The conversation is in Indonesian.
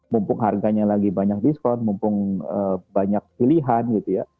mumpung harganya lagi banyak diskon mumpung banyak pilihan gitu ya